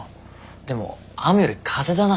でも雨より風だな。